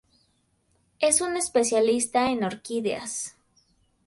Es un especialista en orquídeas.